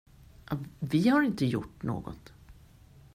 Vi har inte gjort något.